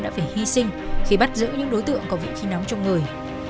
đã phải hy sinh khi bắt giữ những đối tượng có vũ khí nóng trong người